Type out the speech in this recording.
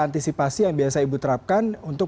antisipasi yang biasa ibu terapkan untuk